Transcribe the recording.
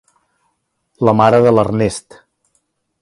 La mare de l'Ernest.